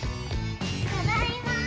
ただいまー！